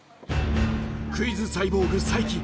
クイズサイボーグ才木